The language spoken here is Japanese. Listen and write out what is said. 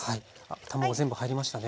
卵全部入りましたね。